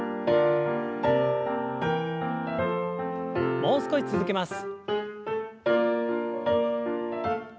もう少し続けます。